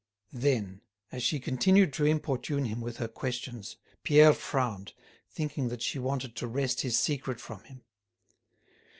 Then, as she continued to importune him with her questions, Pierre frowned, thinking that she wanted to wrest his secret from him.